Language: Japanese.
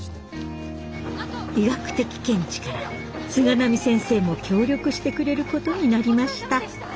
医学的見地から菅波先生も協力してくれることになりました。